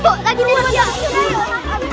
aduh ya ampun ya ampun ya ampun